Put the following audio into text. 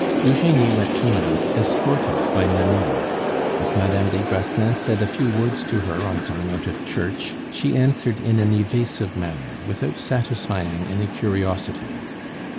Eugenie went to Mass escorted by Nanon. If Madame des Grassins said a few words to her on coming out of church, she answered in an evasive manner, without satisfying any curiosity.